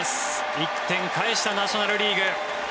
１点返したナショナル・リーグ。